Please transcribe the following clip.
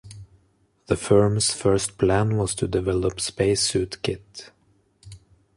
The firm's first plan was to develop spacesuit kit.